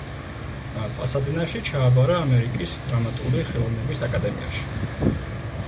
პასადენაში ჩააბარა ამერიკის დრამატული ხელოვნების აკადემიაში.